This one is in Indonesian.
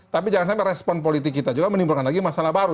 tapi jangan sampai respon politik kita juga menimbulkan lagi masalah baru